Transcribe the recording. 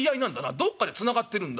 どっかでつながってるんだ。